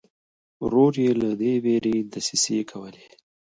ورور یې له دې وېرې دسیسې کولې.